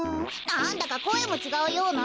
なんだかこえもちがうような。